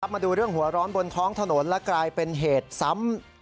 มาดูเรื่องหัวร้อนบนท้องถนนและกลายเป็นเหตุซ้ำ